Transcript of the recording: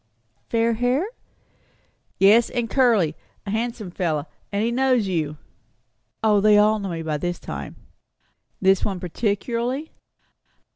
"Fair hair?" "Yes, and curly. A handsome fellow. And he knows you." "O, they all know me by this time." "This one particularly?"